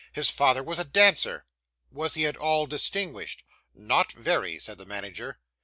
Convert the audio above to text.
His father was a dancer.' 'Was he at all distinguished?' 'Not very,' said the manager.